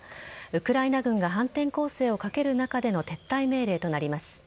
ウクライナ軍が反転攻勢をかける中での撤退命令となります。